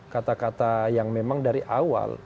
kata kata yang memang dari awal